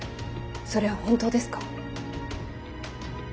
それは本当ですか？